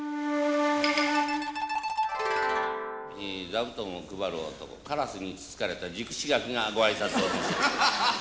座布団を配る男カラスにつつかれた熟し柿がご挨拶を申し上げます。